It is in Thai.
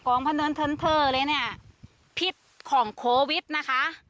งพะเนินเทินเพอร์เลยเนี่ยพิษของโควิดนะคะ